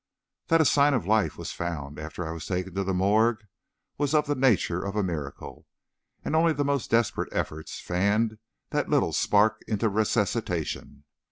"That a sign of life was found, after I was taken to the morgue, was of the nature of a miracle, and only the most desperate efforts fanned that little spark into resuscitation.